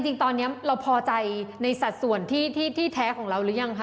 จริงตอนนี้เราพอใจในสัดส่วนที่แท้ของเราหรือยังคะ